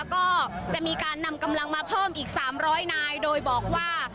แล้วก็จะมีการนำกำลังมาเพิ่มอีกสามร้อยนายโดยบอกว่า